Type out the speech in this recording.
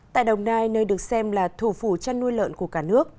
tại đồng nai nơi được xem là thủ phủ chăn nuôi lợn của cả nước